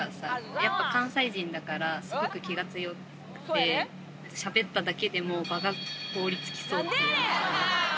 やっぱ関西人だから、すごく気が強くて、しゃべっただけでも場が凍りつきそうっていうような。